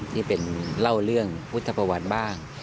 ที่เป็นเล่าเรื่องพุทธประวัติบ้าง